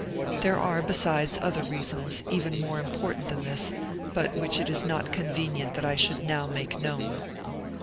There are, besides, other reasons, even more important than this, but which it is not convenient that I should now make known.